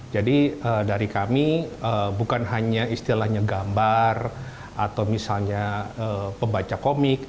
jadi dari kami bukan hanya istilahnya gambar atau misalnya pembaca komik